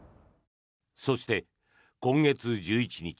そして、今月１１日。